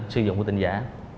sư dụng của tên giả